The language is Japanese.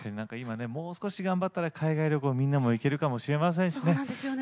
もう少し頑張ったら海外旅行にみんなも行けるかもしれませんしね。